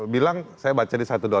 bilang saya baca di satu dua